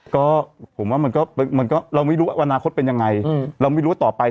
ก็ผมว่ามันก็เราไม่รู้วาวนาคตเป็นยังไง